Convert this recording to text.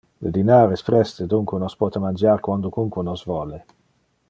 Le dinar es preste, dunque nos pote mangiar quandocunque nos vole.